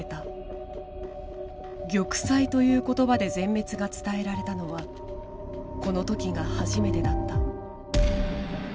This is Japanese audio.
玉砕という言葉で全滅が伝えられたのはこの時が初めてだった。